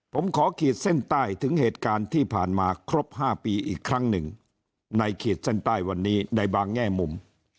ผมขอขีดเส้นใต้ถึงเหตุการณ์ที่ผ่านมาครบ๕ปีอีกครั้งหนึ่งในขีดเส้นใต้วันนี้ในบางแง่มุม